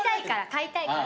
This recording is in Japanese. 買いたいから。